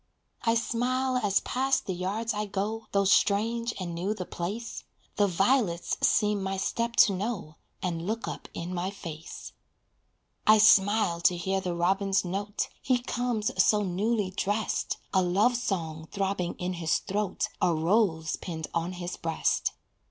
I smile as past the yards I go, Though strange and new the place, The violets seem my step to know, And look up in my face. I smile to hear the robin's note. He comes so newly dressed, A love song throbbing in his throat, A rose pinned on his breast.